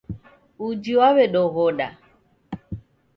Uji w'aw'edoghoda